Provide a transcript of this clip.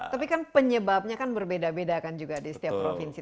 tapi kan penyebabnya kan berbeda beda kan juga di setiap provinsi